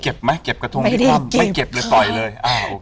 เก็บไหมเก็บกระทงที่ห้องไม่เก็บเลยต่อยเลยอ่าโอเค